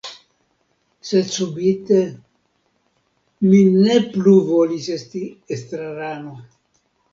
Sed subite… mi ne plu volis esti estrarano.